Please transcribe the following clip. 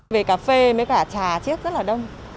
về cà phê mấy cả trà chiếc rất là đông